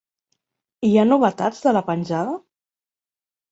Hi ha novetats de la penjada?